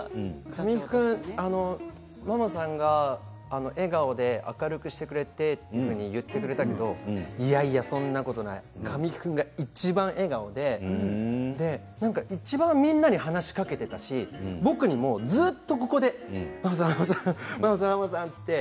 神木君マモさんが笑顔で明るくしてくれたと言ってくれたけど、いやいやそんなことない神木君が、いちばん笑顔でいちばんみんなに話しかけていたし僕にもずっとここでマモさん、マモさんって。